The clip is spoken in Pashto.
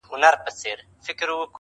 په دې ښار کي په سلگونو یې خپلوان وه،